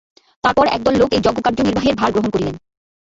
তারপর একদল লোক এই যজ্ঞকার্য নির্বাহের ভার গ্রহণ করিলেন।